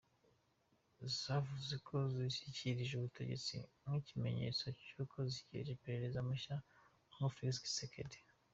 Zavuze ko zishyikirije ubutegetsi nk'ikimenyetso cyuko zishyigikiye Perezida mushya wa Kongo, Félix Tshisekedi.